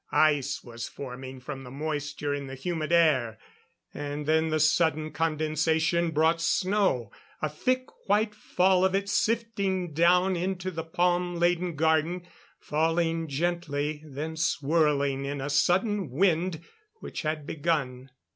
Ice was forming from the moisture in the humid air. And then the sudden condensation brought snow a thick white fall of it sifting down into the palm laden garden; falling gently, then swirling in a sudden wind which had begun.